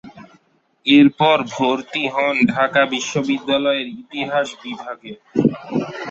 এরপর ভর্তি হন ঢাকা বিশ্ববিদ্যালয়ের ইতিহাস বিভাগে।